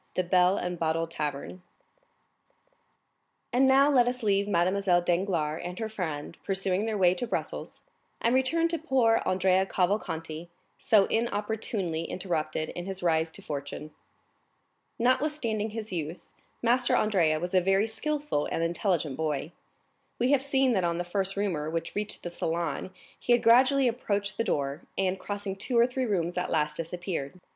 The Bell and Bottle Tavern And now let us leave Mademoiselle Danglars and her friend pursuing their way to Brussels, and return to poor Andrea Cavalcanti, so inopportunely interrupted in his rise to fortune. Notwithstanding his youth, Master Andrea was a very skilful and intelligent boy. We have seen that on the first rumor which reached the salon he had gradually approached the door, and crossing two or three rooms at last disappeared.